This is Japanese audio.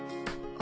あ。